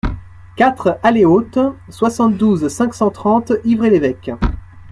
quatre allée Haute, soixante-douze, cinq cent trente, Yvré-l'Évêque